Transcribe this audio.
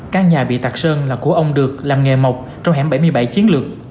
căn nhà bị tạc sơn là của ông được làm nghề một trong hẻm bảy mươi bảy chiến lược